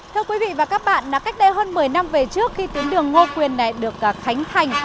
thưa quý vị và các bạn cách đây hơn một mươi năm về trước khi tuyến đường ngô quyền này được khánh thành